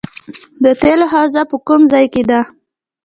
د تیلو حوزه په کوم ځای کې ده؟